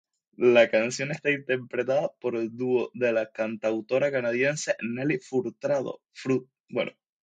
La canción está interpretada a dúo con la cantautora canadiense Nelly Furtado.